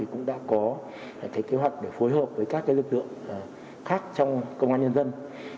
cũng đã có kế hoạch để phối hợp với các lực lượng khác trong công an nhân dân